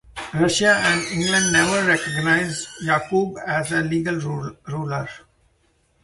Russia and England never recognized Yakub as a legal ruler.